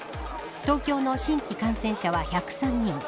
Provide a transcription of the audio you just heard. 東京の新規感染者は１０３人。